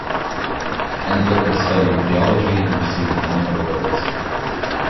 Endlicher studied theology and received minor orders.